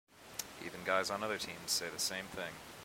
Even guys on other teams say the same thing.